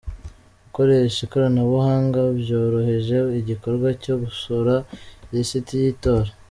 Gukoresha ikoranabuhanga byoroheje igikorwa cyo gukosora lisiti y’itora.